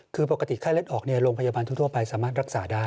คือปกติไข้เลือดออกโรงพยาบาลทั่วไปสามารถรักษาได้